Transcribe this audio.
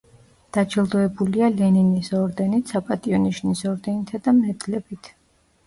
დაჯილდოებულია ლენინის ორდენით, „საპატიო ნიშნის“ ორდენითა და მედლებით.